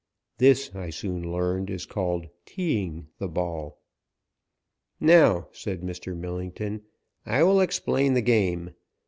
This, I soon learned, is called "teeing" the ball. "Now," said Mr. Millington, "I will explain the game.